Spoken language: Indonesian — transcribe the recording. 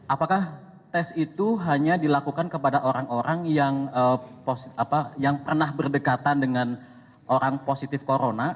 apakah tes itu hanya dilakukan kepada orang orang yang pernah berdekatan dengan orang positif corona